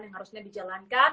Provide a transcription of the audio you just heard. yang harusnya dijalankan